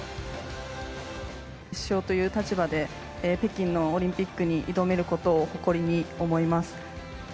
主将という立場で、北京のオリンピックに挑めることを誇りに思います。